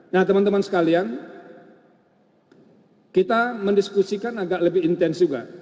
nah teman teman sekalian kita mendiskusikan agak lebih intens juga